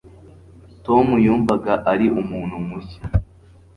tom yumvaga ari umuntu mushya